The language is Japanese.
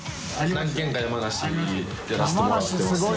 何軒か山梨やらせてもらってますね。